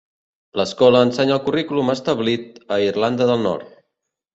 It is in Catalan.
L'escola ensenya el currículum establit a Irlanda del Nord.